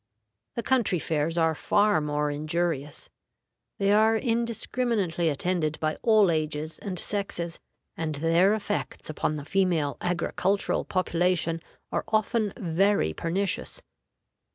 The country fairs are far more injurious; they are indiscriminately attended by all ages and sexes, and their effects upon the female agricultural population are often very pernicious.